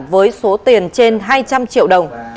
với số tiền trên hai trăm linh triệu đồng